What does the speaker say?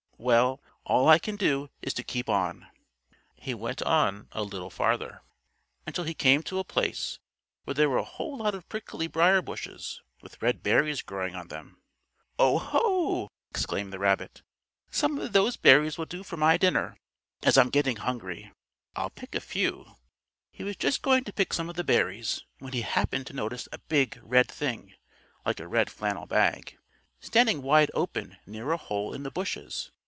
Well, all I can do is to keep on." He went on a little farther, until he came to a place where there were a whole lot of prickly briar bushes, with red berries growing on them. "Oh, ho!" exclaimed the rabbit. "Some of those berries will do for my dinner, as I'm getting hungry. I'll pick a few." He was just going to pick some of the berries, when he happened to notice a big, red thing, like a red flannel bag, standing wide open near a hole in the bushes.